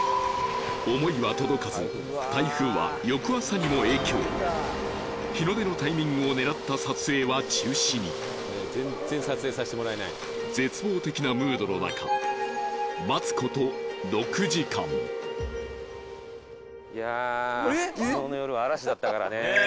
想いは届かず台風は翌朝にも影響日の出のタイミングを狙った撮影は中止に全然撮影させてもらえない絶望的なムードの中いやきのうの夜嵐だったからねえっ？